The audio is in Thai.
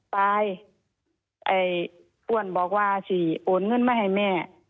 ตายไอ้อ้วนบอกว่าสิโอนเงินมาให้แม่